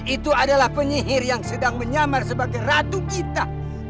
itu adalah penyihir yang sedang menyamar sebagai ratu kita